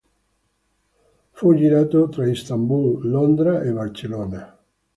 Fu girato tra Istanbul, Londra e Barcellona.